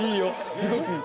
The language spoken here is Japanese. すごくいい。